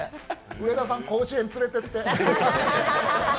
上田さん、甲子園、連れてって。